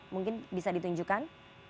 mungkin bisa ditunjukkan